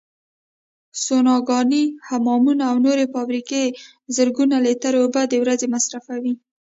سوناګانې، حمامونه او نورې فابریکې زرګونه لیتره اوبو د ورځې مصرفوي.